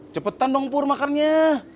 cepetan dong pur makannya